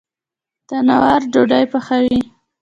تندور ډوډۍ پخوي